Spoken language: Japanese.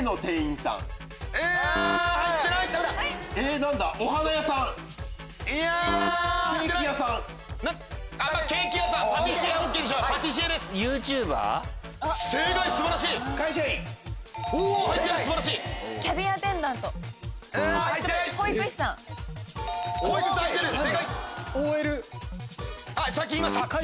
さっき言いました。